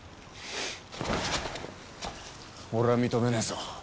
俺は認めねえぞ。